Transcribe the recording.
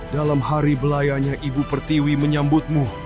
dalam hari belayanya ibu pertiwi menyambutmu